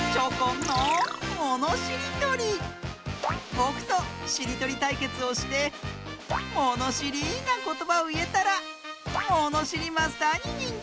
ぼくとしりとりたいけつをしてものしりなことばをいえたらものしりマスターににんてい！